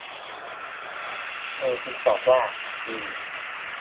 เธอพึงตอบว่า มี